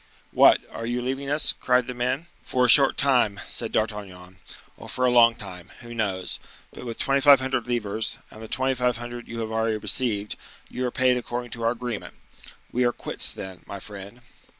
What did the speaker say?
"What, are you leaving us?" cried the men. "For a short time," said D'Artagnan, "or for a long time, who knows? But with 2,500 livres, and the 2,500 you have already received, you are paid according to our agreement. We are quits, then, my friend."